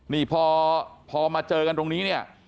นี่พอมาเจอกันตรงนี้เนี่ย